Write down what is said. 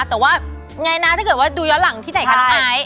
แต่ว่าไงนะถ้าเกิดว่าดูย้อนหลังที่ไหนคะน้องไอซ์